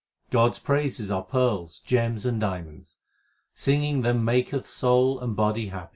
God s praises are pearls, gems, and diamonds ; singing them maketh soul and body happy.